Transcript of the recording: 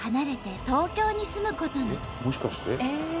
もしかして。